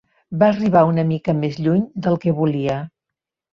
Va arribar una mica més lluny del que volia.